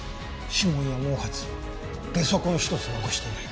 指紋や毛髪ゲソコンひとつ残していない。